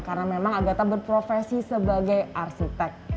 karena memang agata berprofesi sebagai arsitek